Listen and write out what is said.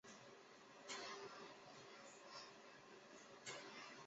蜍蝽为蜍蝽科蜍蝽属下的一个种。